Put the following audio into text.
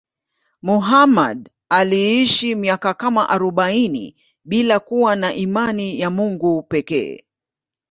Muhammad aliishi miaka kama arobaini bila kuwa na imani ya Mungu pekee.